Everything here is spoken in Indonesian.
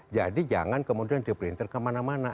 jadi jangan kemudian di printer kemana mana